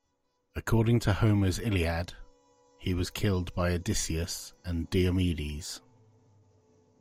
According to Homer's Iliad, he was killed by Odysseus and Diomedes.